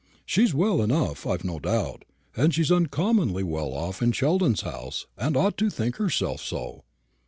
She's well enough, I've no doubt; and she's uncommonly well off in Sheldon's house, and ought to think herself so."